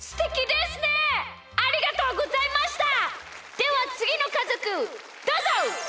ではつぎのかぞくどうぞ！